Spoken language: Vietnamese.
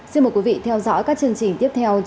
xin mời quý vị theo dõi các chương trình tiếp theo trên anntv